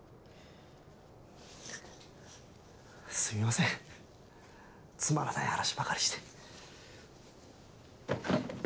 すみませんつまらない話ばかりして。